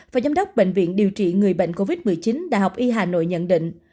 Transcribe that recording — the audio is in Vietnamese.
phó giám đốc bệnh viện điều trị người bệnh covid một mươi chín đh y hà nội nhận định